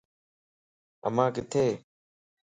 امان ڪٿيءَ؟